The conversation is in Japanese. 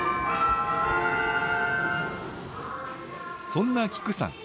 そんなキクさん。